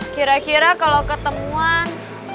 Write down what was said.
kira kira kalo ketemuan